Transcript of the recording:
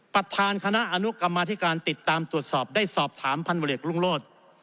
ประธานคนะอนุกรรมมาที่การติดตามตรวจสอบได้สอบถามพาณ์บริเวรี่ยนลุงโรฒ